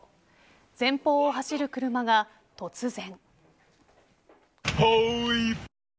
前方を走る車が突然。